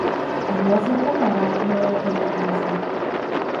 Juozapo parapijoje Kėdainiuose.